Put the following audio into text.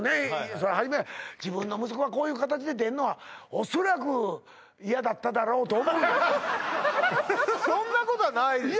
そりゃはじめ自分の息子がこういう形で出んのはおそらくいやだっただろうと思うでそんなことはないですよ